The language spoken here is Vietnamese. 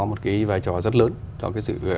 một cái vai trò rất lớn cho cái sự